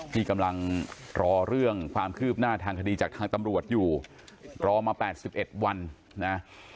ที่กำลังรอเรื่องความคืบหน้าทางคดีจากทางตำรวจอยู่รอมา๘๑วันนะ